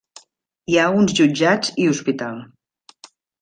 Hi ha uns jutjats i hospital.